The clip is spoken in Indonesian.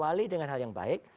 awali dengan hal yang baik